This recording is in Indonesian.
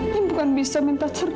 yang bukan bisa minta cerai bu